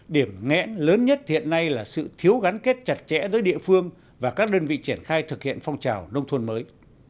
điểm nghẽn lớn nhất hiện nay là sự thiếu gắn kết chặt chẽ với địa phương và các đơn vị triển khai thực hiện phong trào nông thôn mới